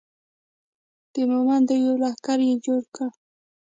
د مومندو یو لښکر یې جوړ کړ.